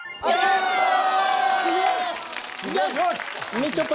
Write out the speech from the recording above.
みちょぱ。